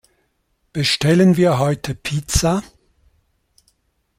Bestellen wir heute Pizza?